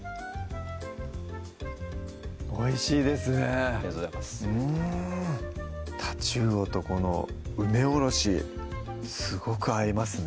おいしいですねありがとうございますたちうおとこの梅おろしすごく合いますね